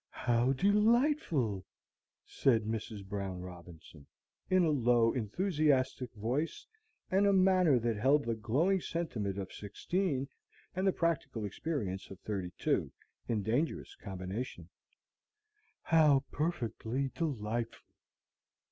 "How delightful!" said Mrs. Brown Robinson, in a low, enthusiastic voice and a manner that held the glowing sentiment of sixteen and the practical experiences of thirty two in dangerous combination; "how perfectly delightful!